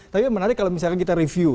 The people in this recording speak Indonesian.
tapi menarik kalau misalkan kita review